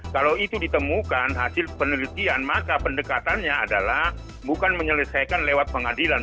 kalau itu ditemukan hasil penelitian maka pendekatannya adalah bukan menyelesaikan lewat pengadilan